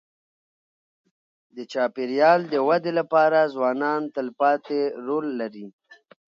د چاپېریال د ودې لپاره ځوانان تلپاتې رول لري.